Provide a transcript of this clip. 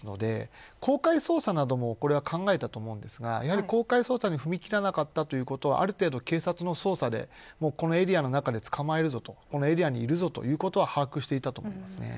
今回、刃物を持って逃げたという容疑者なので公開捜査も考えたと思うんですが公開捜査に踏み切らなかったのはある程度、警察の捜査でこのエリアの中で捕まえるぞこのエリアにいるぞということは把握していたと思います。